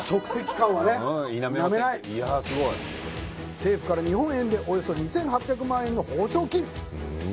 政府から日本円でおよそ２８００万円の報奨金